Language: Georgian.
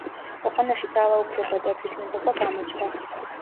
ქვეყანაში ძალაუფლება და თვითნებობა გამეფდა.